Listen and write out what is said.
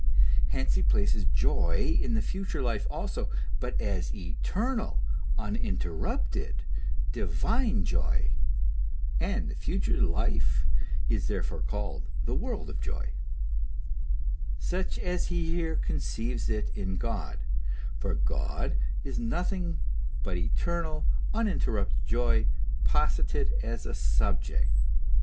Hence he places joy in the future life also, but as eternal, uninterrupted, divine joy, (and the future life is therefore called the world of joy,) such as he here conceives it in God ; for God is nothing but eternal, uninterrupted joy, posited as a subject.